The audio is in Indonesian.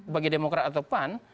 bagi demokrat atau pan